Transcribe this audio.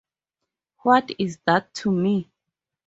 What is that to me?